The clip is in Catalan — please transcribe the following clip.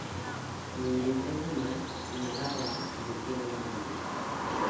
El vint-i-tres de maig na Gal·la voldria anar a la Mata.